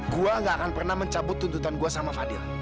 gue gak akan pernah mencabut tuntutan gue sama fadil